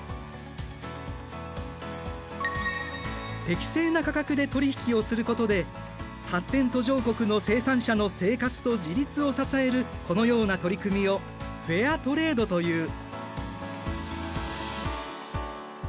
適正な価格で取り引きをすることで発展途上国の生産者の生活と自立を支えるこのような取り組みをフェアトレードという。